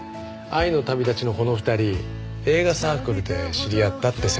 『愛の旅だち』のこの２人映画サークルで知り合ったって設定なんですよ。